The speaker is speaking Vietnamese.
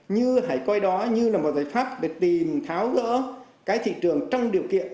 như hãy coi đó như là một giải pháp để tìm tháo rỡ cái thị trường trong điều kiện